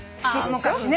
昔ね。